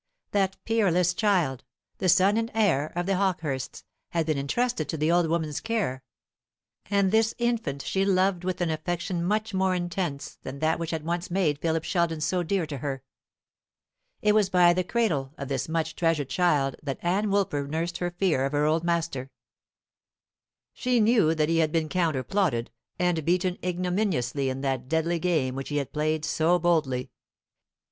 That peerless child, the son and heir of the Hawkehursts, had been intrusted to the old woman's care; and this infant she loved with an affection much more intense than that which had once made Philip Sheldon so dear to her. It was by the cradle of this much treasured child that Ann Woolper nursed her fear of her old master. She knew that he had been counter plotted and beaten ignominiously in that deadly game which he had played so boldly.